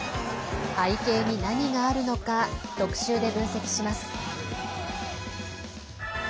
背景に何があるのか特集で分析します。